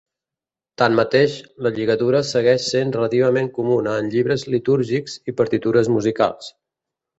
Tanmateix, la lligadura segueix sent relativament comuna en llibres litúrgics i partitures musicals.